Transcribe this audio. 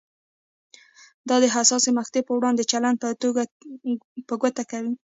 دا د حساسې مقطعې پر وړاندې چلند په ګوته کوي.